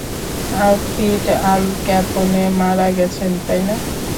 Outfit Al Capone মারা গেছে, তাইনা?